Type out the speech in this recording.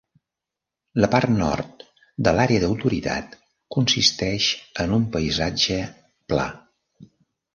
La part nord de l'àrea d'autoritat consisteix en un paisatge pla.